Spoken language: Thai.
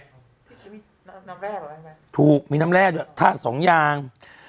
มีน้ำแร่รึเปล่าถูกมีน้ำแร่ถ้าสองอย่าง